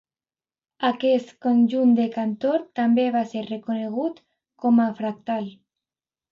Aquest conjunt de Cantor també va ser reconegut com a fractal.